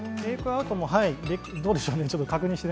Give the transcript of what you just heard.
テイクアウトはどうでしょう。